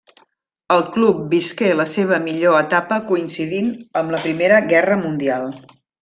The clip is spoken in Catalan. El club visqué la seva millor etapa coincidint amb la Primera Guerra Mundial.